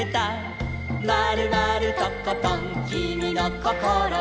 「まるまるとことんきみのこころは」